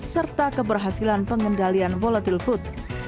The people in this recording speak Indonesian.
serta keberhasilan pengendalian volatile food